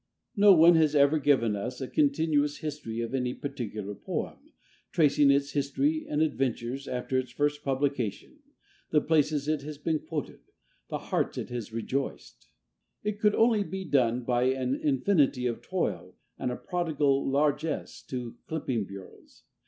No one has ever given us a continuous history of any particular poem, tracing its history and adventures after its first publication the places it has been quoted, the hearts it has rejoiced. It could only be done by an infinity of toil and a prodigal largesse to clipping bureaus.